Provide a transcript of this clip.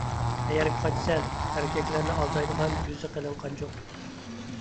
قەيەرگە قاچىسەن، ئەركەكلەرنى ئالدايدىغان يۈزى قېلىن قانجۇق!